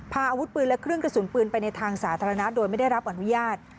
พาอาวุธปืนและเครื่องกระสุนปืนไปในทางสาธารณะโดยไม่ได้รับอนุญาต